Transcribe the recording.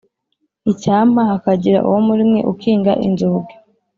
Icyampa hakagira uwo muri mwe ukinga inzugi